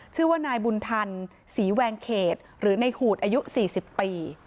ชื่อว่านายบุญทันศรีแวงเขตหรือในหูดอายุ๔๐ปี